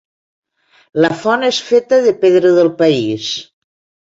La font és feta de pedra del país.